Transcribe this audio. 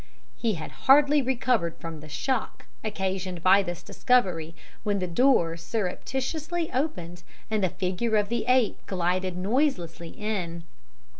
"He had hardly recovered from the shock occasioned by this discovery when the door surreptitiously opened, and the figure of the ape glided noiselessly in.